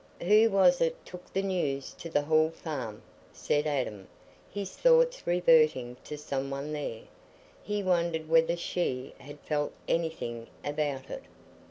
"Who was it took the news to the Hall Farm?" said Adam, his thoughts reverting to some one there; he wondered whether she had felt anything about it.